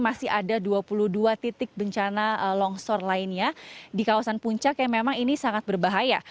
masih ada dua puluh dua titik bencana longsor lainnya di kawasan puncak yang memang ini sangat berbahaya